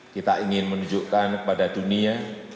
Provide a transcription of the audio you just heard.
kita ingin menunjukkan kepada dunia